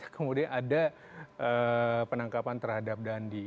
kemudian ada penangkapan terhadap dandi